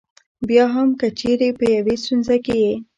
بیا هم که چېرې په یوې ستونزه کې یې.